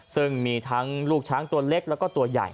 ซึ่งมีทั้งลูกช้างตัวเล็กแล้วก็ตัวใหญ่